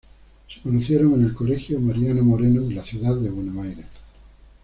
Se conocieron en el Colegio Mariano Moreno de la ciudad de Buenos Aires.